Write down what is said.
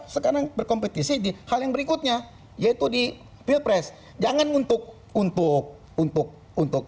sekarang berkompetisi di hal yang berikutnya yaitu di pilpres jangan untuk untuk untuk